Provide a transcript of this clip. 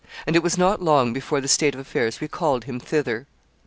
And it was not long before the state of affairs recalled him thither.